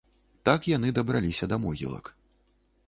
Так яны дабраліся да могілак.